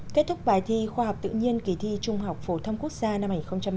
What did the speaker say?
kết thúc bài thi khoa học tự nhiên kỳ thi trung học phổ thông quốc gia năm hai nghìn một mươi chín